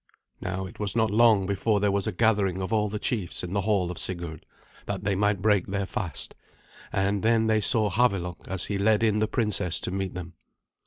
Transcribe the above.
Now it was not long before there was a gathering of all the chiefs in the hall of Sigurd, that they might break their fast, and then they saw Havelok as he led in the princess to meet them.